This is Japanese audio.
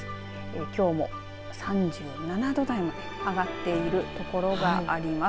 きょうも３７度台まで上がっているところがあります。